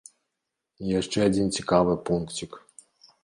І яшчэ адзін цікавы пункцік.